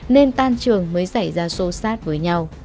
nên tan trường mới xảy ra sâu sát với nhau